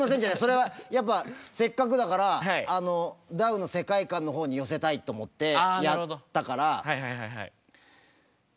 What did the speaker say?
それはやっぱせっかくだからダウの世界観の方に寄せたいと思ってやったから。